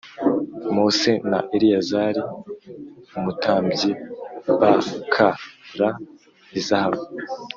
Mose na Eleyazari umutambyi b k ra izahabu